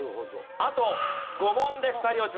あと５問で２人落ちます。